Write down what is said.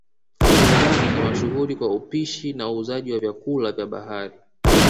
forodhani ni mashuhuri kwa upishi na uuzaji wa vyakupa vya bahari